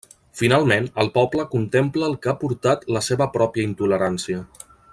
Finalment, el poble contempla el que ha portat la seva pròpia intolerància.